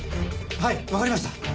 はいわかりました。